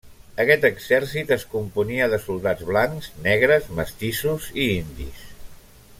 Aquest exèrcit es componia de soldats blancs, negres, mestissos i indis.